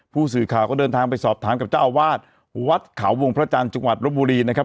ผู้สื่อข่าวก็เดินทางไปสอบถามกับเจ้าอาวาสวัดเขาวงพระจันทร์จังหวัดรบบุรีนะครับ